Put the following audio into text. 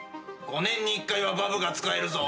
５年に１回はバブが使えるぞ。